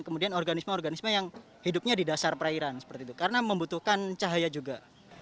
kemudian organisme organisme yang hidupnya di dasar perairan seperti itu karena membutuhkan cahaya juga